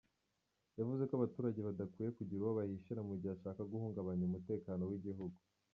Yavuze ko abaturage badakwiye kugira uwo bahishira mu gihe ashaka guhungabanya umutekano w’igihugu.